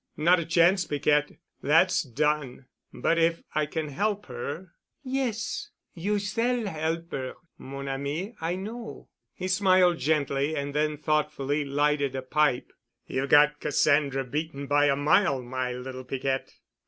"Not a chance, Piquette. That's done. But if I can help her——" "Yes. You s'all 'elp 'er, mon ami. I know." He smiled gently, and then thoughtfully lighted a pipe. "You've got Cassandra beaten by a mile, my little Piquette."